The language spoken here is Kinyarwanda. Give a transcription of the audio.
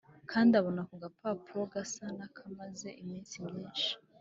kandi abona ako gapapuro gasa nakamaze iminsi myinshi,